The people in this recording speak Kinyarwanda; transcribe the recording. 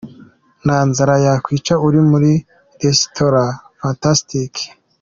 Nta nzara yakwica uri muri Resitora Fantastic.